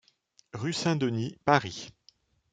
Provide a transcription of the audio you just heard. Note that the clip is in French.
Rue Saint-Denis, paris